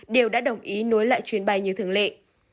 đều đã đồng ý nối lại chuyến bay như thường lệ